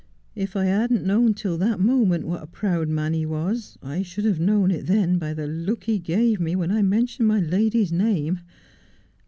If I hadn't known till that moment what a proud man he was, I should have known it then by the look he gave me when I men tioned my lady's name.